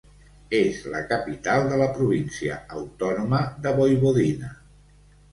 És la capital de la província autònoma de Voivodina.